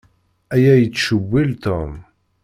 Aya yettcewwil Tom.